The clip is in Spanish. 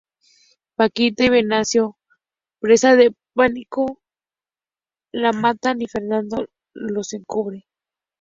Paquita y Venancio presa del pánico la matan, y Fernando los encubre.